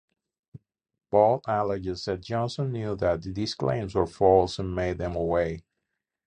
Ball alleges that Johnson knew that these claims were false and made them anyway.